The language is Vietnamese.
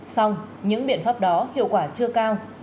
xong những biện pháp đó hiệu quả chưa cao